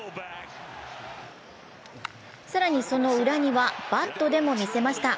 更にそのウラにはバットでも見せました。